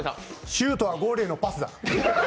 シュートはゴールへのパスだ！